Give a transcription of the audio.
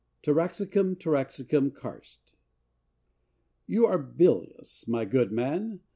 (Taraxacum taraxacum Karst.) You are bilious, my good man.